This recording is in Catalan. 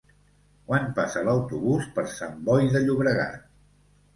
Quan passa l'autobús per Sant Boi de Llobregat?